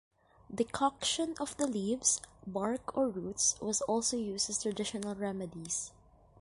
Decoction of the leaves, bark or roots was also used as traditional remedies.